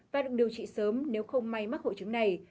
và được điều trị sớm nếu không may mắc hội chứng này